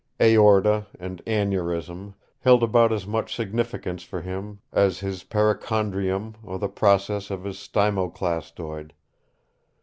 "Aorta" and "aneurism" held about as much significance for him as his perichondrium or the process of his stylomastoid.